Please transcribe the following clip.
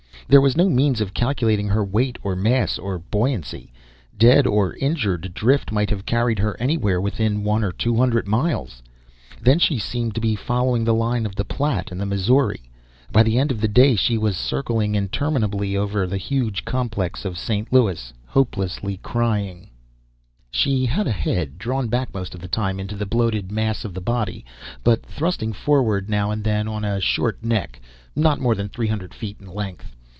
There was no means of calculating her weight, or mass, or buoyancy. Dead or injured, drift might have carried her anywhere within one or two hundred miles. Then she seemed to be following the line of the Platte and the Missouri. By the end of the day she was circling interminably over the huge complex of St. Louis, hopelessly crying. She had a head, drawn back most of the time into the bloated mass of the body but thrusting forward now and then on a short neck not more than three hundred feet in length.